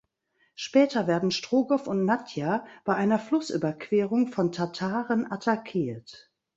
Später werden Strogoff und Nadja bei einer Flussüberquerung von Tataren attackiert.